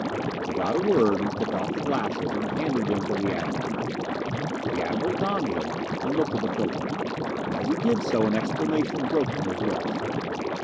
Without a word he took off the glasses and handed them to the Admiral. The Admiral donned them and looked at the pillow. As he did so an exclamation broke from his lips.